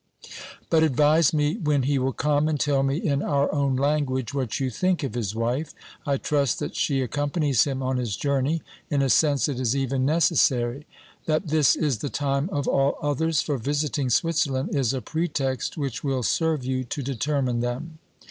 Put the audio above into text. But advise me when he will come, and tell me in our own language what you think of his wife. I trust that she accompanies him on his journey ; in a sense, it is even necessary. That this is the time of all others for visiting Switzerland is a pretext which will serve you to determine them.